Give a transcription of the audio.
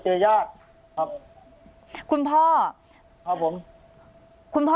ขอบคุณคุณพ่อได้ข่าวของคุณพ่อ